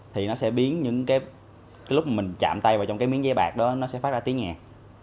thì nó sẽ biến những cái lúc mình chạm tay vào trong cái miếng dây bạc đó nó sẽ phát ra tiếng nhạc